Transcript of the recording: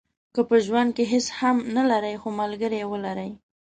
که په ژوند کې هیڅ هم نه لرئ خو ملګری ولرئ.